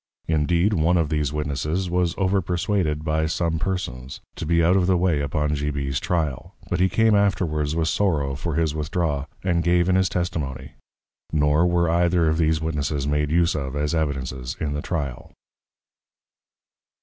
Indeed, one of these Witnesses was over perswaded by some Persons, to be out of the way upon G. B's Tryal; but he came afterwards with Sorrow for his withdraw, and gave in his Testimony: Nor were either of these Witnesses made use of as Evidences in the Trial.